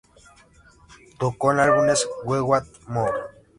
Tocó en los álbumes "We Want Moore!